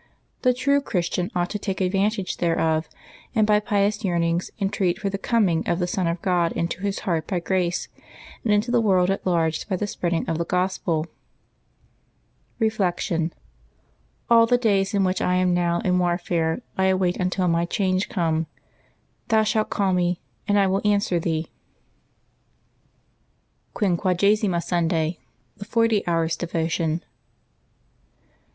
The true Christian ought to take ad vantage thereof, and by pious yearnings entreat for the coming of the Son of God into his heart by grace, and into <^^ the world at large by the spreading of the Gospel. je Reflection. — "All the days in which I am now in war ''■' fare I await until my change come. Thou shalt call me, and I will answer Thee.'' 3 LIVES OF THE SAINTS QUINQUAGESIMA SUNDAY.— THE FORTY HOURS* DEVOTION.